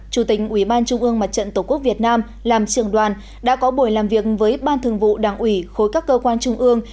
chủ tình ủy ban trung ương mặt trận tổ quốc việt nam làm trường đoàn đã có buổi làm việc với ban thường vụ đảng ủy khối các cơ quan trung ương